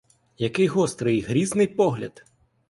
Який гострий, грізний погляд!